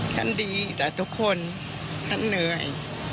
ดีแต่ทุกคนท่านเหนื่อย